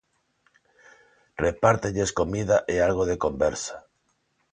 Repártelles comida e algo de conversa.